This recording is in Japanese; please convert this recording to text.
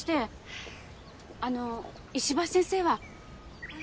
あの石橋先生は？